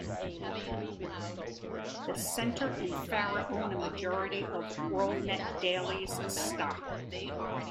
The Center and Farah own a majority of WorldNetDaily's stock.